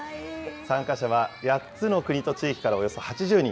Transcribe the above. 参加者は８つの国と地域からおよそ８０人。